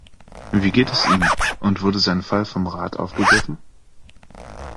Wie geht es ihm, und wurde sein Fall vom Rat aufgegriffen?